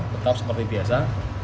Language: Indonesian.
tetap seperti biasa